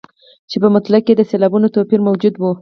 چې په مطلع کې یې د سېلابونو توپیر موجود وي.